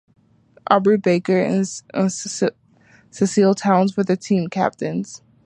Aubrey Baker and Cecil Towns were the team captains.